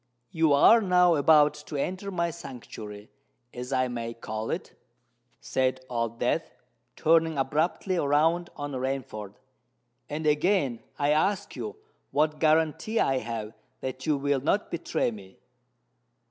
"You are now about to enter my sanctuary—as I may call it," said Old Death, turning abruptly round on Rainford; "and again I ask you what guarantee I have that you will not betray me?"